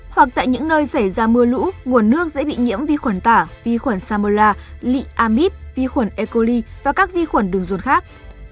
hoặc tại những nơi xảy ra mưa lũ nguồn nước dễ bị nhiễm vi khuẩn tả vi khuẩn samola lị amid vi khuẩn ecoli và các vi khuẩn đường ruột khác